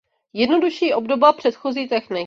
Jednodušší obdoba předchozí techniky.